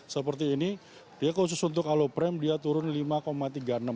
seperti ini dia khusus untuk alo prime dia turun rp lima tiga puluh enam juta